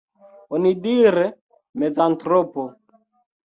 Onidire, mizantropo.